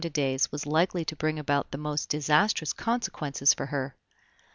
de Dey's was likely to bring about the most disastrous consequences for her.